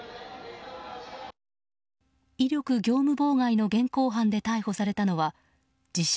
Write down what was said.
威力業務妨害の現行犯で逮捕されたのは自称